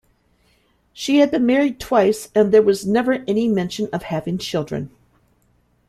She had been married twice and there was never any mention of having children.